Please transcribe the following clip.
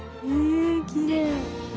えきれい。